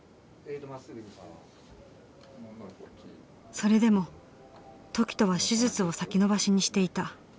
それでも凱人は手術を先延ばしにしていた。